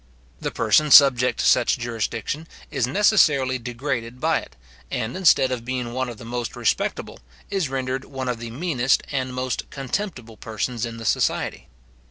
The person subject to such jurisdiction is necessarily degraded by it, and, instead of being one of the most respectable, is rendered one of the meanest and most contemptible persons in the society.